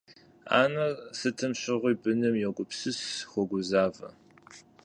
Анэр сытым щыгъуи быным йогупсыс, хуогузавэ.